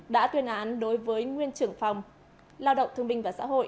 đã tuyên án đối với nguyên trưởng phòng lao động thương minh và xã hội